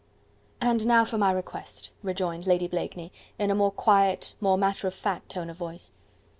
"And now for my request," rejoined Lady Blakeney in a more quiet, more matter of fact tone of voice.